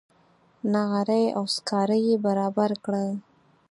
نغرۍ او سکاره یې برابر کړل.